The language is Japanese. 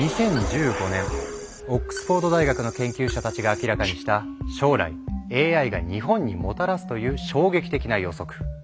２０１５年オックスフォード大学の研究者たちが明らかにした将来ＡＩが日本にもたらすという衝撃的な予測。